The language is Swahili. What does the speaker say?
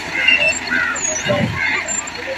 Kutumainia mutu kuna leta asara kubwa